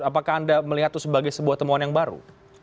apakah anda melihat itu sebagai sebuah temuan yang baru